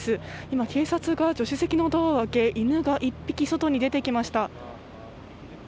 今、警察が助手席のドアを開け犬が１匹、外に出てきました。